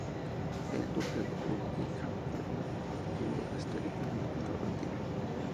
El Duque de Buckingham fue una figura histórica muy controvertida.